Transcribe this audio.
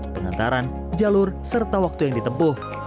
pengantaran jalur serta waktu yang ditempuh